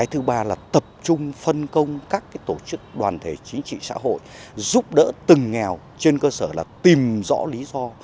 hợp chung phân công các tổ chức đoàn thể chính trị xã hội giúp đỡ từng nghèo trên cơ sở là tìm rõ lý do